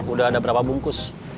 udah ada berapa bungkus